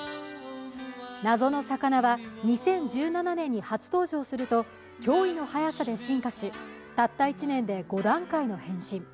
謎の魚は２０１７年に初登場すると驚異の速さで進化し、たった１年で５段階の変身。